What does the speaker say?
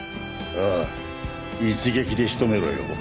ああ一撃で仕留めろよ。